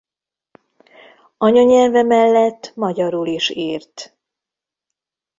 Anyanyelve mellett magyarul is írt.